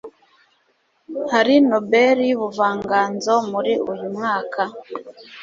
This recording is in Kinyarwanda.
hari Nobel y'ubuvanganzo muri uyu mwaka?